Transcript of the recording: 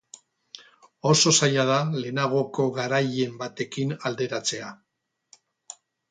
Oso zaila da lehenagoko garaien batekin alderatzea.